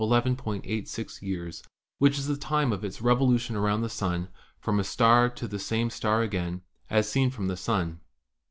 86 years, which is the time of its revolution around the Sun from a star to the same star again, as seen from the Sun.